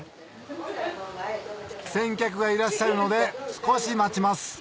先客がいらっしゃるので少し待ちます